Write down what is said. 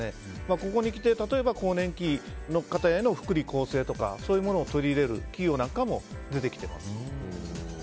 ここにきて例えば更年期の方への福利厚生とかそういうものを取り入れる企業なんかも出てきています。